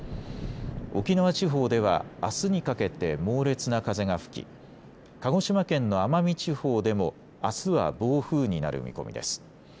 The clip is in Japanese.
沖縄地方ではあすにかけて猛烈な風が吹き鹿児島県の奄美地方でもあすは暴風になる見込みです。